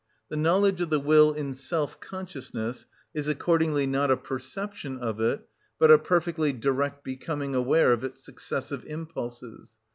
The knowledge of the will in self consciousness is accordingly not a perception of it, but a perfectly direct becoming aware of its successive impulses.